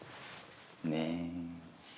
ねえ。